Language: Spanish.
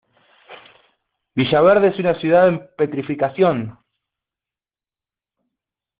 Villaverde es una ciudad en petrificación.